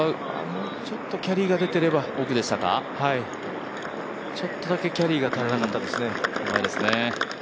もうちょっとキャリーが出ていればちょっとだけキャリーが足らなかったですね。